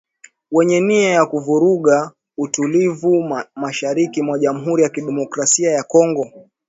wenye nia ya kuvuruga utulivu mashariki mwa Jamhuri ya kidemokrasia ya Kongo